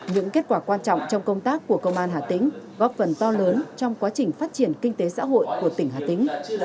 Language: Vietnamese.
những kết quả quan trọng trong công tác của công an hà tĩnh góp phần to lớn trong quá trình phát triển kinh tế xã hội của tỉnh hà tĩnh